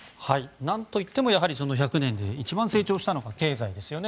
なんといっても１００年で一番成長したのが経済ですよね。